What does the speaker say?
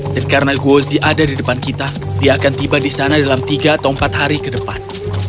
dan karena gozi ada di depan kita dia akan tiba di sana dalam tiga atau empat hari ke depan